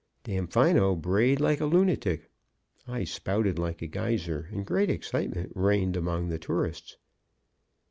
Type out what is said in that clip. Damfino brayed like a lunatic, I spouted like a geyser, and great excitement reigned among the tourists.